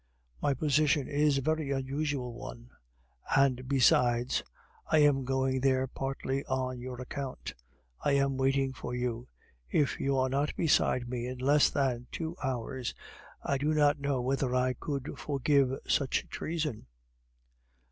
My position is a very unusual one, and besides, I am going there partly on your account. I am waiting for you. If you are not beside me in less than two hours, I do not know whether I could forgive such treason."